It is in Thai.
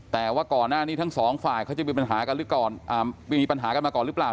แต่ว่าก่อนหน้านี้ทั้งสองฝ่ายเขาจะมีปัญหากันหรือก่อนมีปัญหากันมาก่อนหรือเปล่า